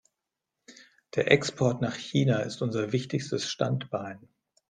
Der Export nach China ist unser wichtigstes Standbein.